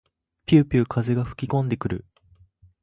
ぴゅうぴゅう風が吹きこんでくる。